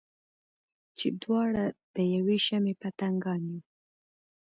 چې دواړه د یوې شمعې پتنګان یو.